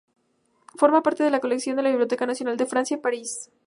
Forma parte de la colección de la Biblioteca nacional de Francia, en París.